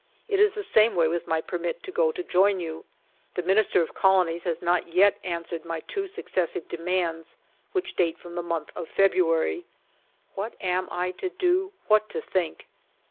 It is the same way with my permit to go to join you. The Minister of Colonies has not yet answered my two successive demands, which date from the month of February ! What am I to do, what to think